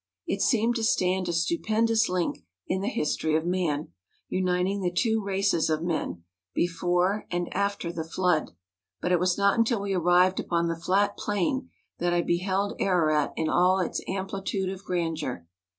It seemed to stand a stupen¬ dous link in the history of man, uniting the two races of men, before and after the flood. But it was not until we arrived upon the flat plain that I beheld Ararat in all its amplitude of grandeur.